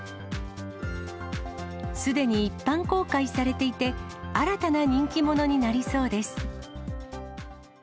すでに一般公開されていて、新たな人気者になりそうです。